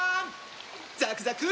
ザクザク！